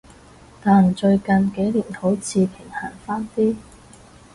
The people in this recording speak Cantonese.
但最近幾年好似平衡返啲